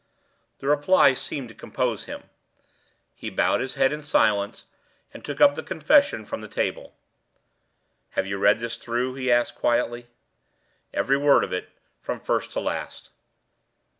The reply seemed to compose him. He bowed his head in silence, and took up the confession from the table. "Have you read this through?" he asked, quietly. "Every word of it, from first to last."